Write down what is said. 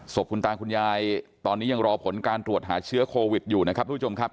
คุณตาคุณยายตอนนี้ยังรอผลการตรวจหาเชื้อโควิดอยู่นะครับทุกผู้ชมครับ